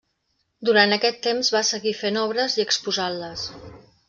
Durant aquest temps va seguir fent obres i exposant-les.